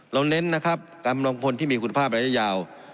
เราเน้นนะครับการบำรองค์ผลที่มีคุณภาพในระยะยาว